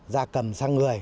gia cầm sang người